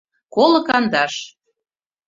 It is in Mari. — Коло кандаш!